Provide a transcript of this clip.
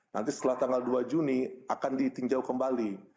nanti setelah tanggal dua juni akan ditinjau kembali